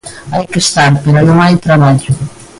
Hai que estar, pero non hai traballo.